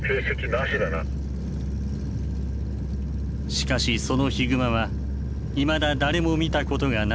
しかしそのヒグマはいまだ誰も見たことがない